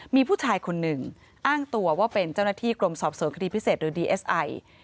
มีผู้ชายคนหนึ่งอ้างตัวว่าเป็นเจ้าหน้าที่กรมสอบสวนคดีพิเศษหรือดีเอสไอ